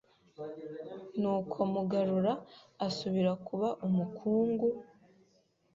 Nuko Mugarura asubira kuba umukungu,